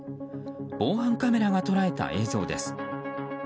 防犯カメラが捉えた映像です。